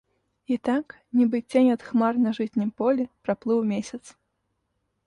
І так, нібы цень ад хмар на жытнім полі, праплыў месяц.